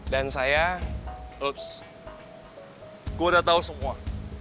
dan saya ups gue udah tahu semua